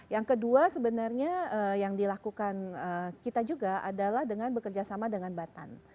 yang kedua sebenarnya yang dilakukan kita juga adalah dengan bekerja sama dengan batan